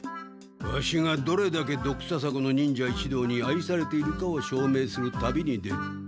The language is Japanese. ワシがどれだけドクササコの忍者一同にあいされているかを証明する旅に出る。